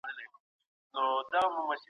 د خدای ښار کتاب چا لیکلی دی؟